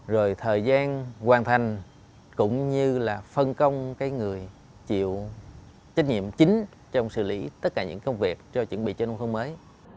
rồi thời gian hoàn thành cũng như là phân công cái người chịu trách nhiệm chính trong xử lý tất cả những công việc cho chuẩn bị cho nông thôn mới